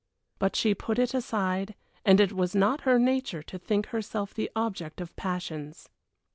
But she put it aside it was not her nature to think herself the object of passions.